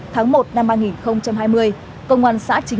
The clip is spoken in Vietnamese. tháng một năm hai nghìn hai mươi